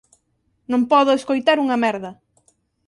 Non podo escoitar unha merda.